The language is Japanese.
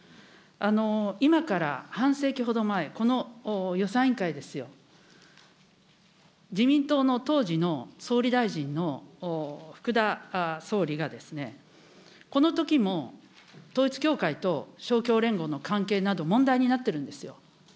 今から半世紀ほど前、この予算委員会ですよ、自民党の当時の総理大臣の福田総理が、このときも統一教会と勝共連合の関係など問題になってるんですよ。